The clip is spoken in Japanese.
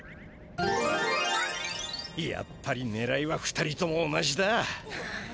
やっぱりねらいは２人とも同じだ。